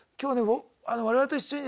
我々と一緒にですねね